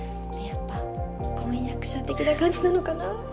やっぱ婚約者的な感じなのかな？